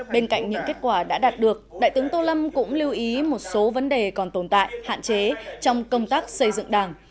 bên cạnh những kết quả đã đạt được đại tướng tô lâm cũng lưu ý một số vấn đề còn tồn tại hạn chế trong công tác xây dựng đảng